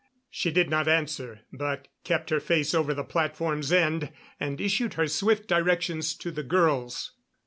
She did not answer, but kept her face over the platform's end and issued her swift directions to the girls.